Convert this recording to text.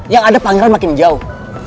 yang ada pangeran makin jauh